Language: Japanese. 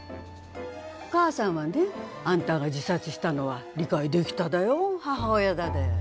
お母さんはね、あんたが自殺したのは理解できただよは？